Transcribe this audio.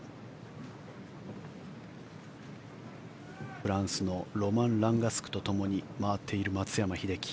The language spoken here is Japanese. フランスのロマン・ランガスクとともに回っている松山英樹。